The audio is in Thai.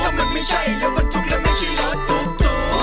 ถ้ามันไม่ใช่รถประทุกข์และไม่ใช่รถตุ๊กตุ๊ก